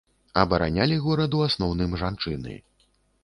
Абаранялі горад у асноўным жанчыны.